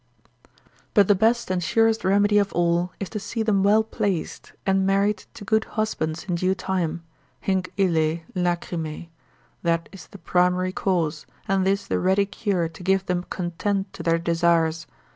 But the best and surest remedy of all, is to see them well placed, and married to good husbands in due time, hinc illae, lachrymae, that is the primary cause, and this the ready cure, to give them content to their desires.